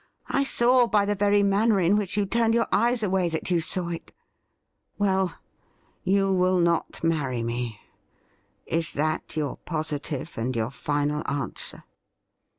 I saw by the very manner in which you turned your eyes away that you saw it. Well, you will not marry me. Is that your positive and yoiu* final answer